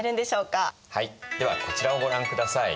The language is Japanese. はいではこちらをご覧ください。